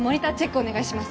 お願いします